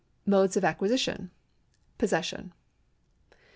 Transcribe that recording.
Modes of Acquisition: Possession.